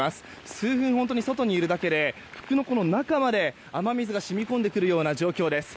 数分、外にいるだけで服の中まで雨水がしみ込んでくるような状況です。